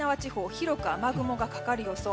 広く雨雲がかかる予想。